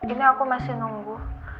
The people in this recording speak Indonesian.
ini aku masih nunggu